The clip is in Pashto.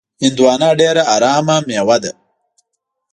هندوانه ډېره ارامه میوه ده.